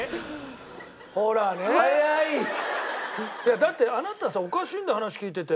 いやだってあなたさおかしいんだ話聞いてて。